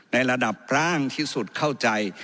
ในระดับร่างที่สุดเข้าใจ